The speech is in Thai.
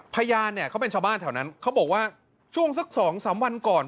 พยานเนี่ยเขาเป็นชาวบ้านแถวนั้นเขาบอกว่าช่วงสัก๒๓วันก่อน